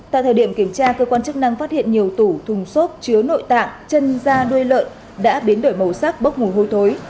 tại thời điểm kiểm tra cơ quan chức năng phát hiện nhiều tủ thùng xốp chứa nội tạng chân da nuôi lợn đã biến đổi màu sắc bốc mùi hôi thối